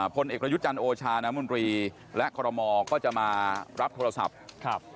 พลเอกรยุทธ์จันทร์โอชานมรีและคลมก็จะมารับโทรศัพท์